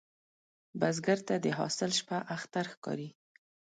بزګر ته د حاصل شپه اختر ښکاري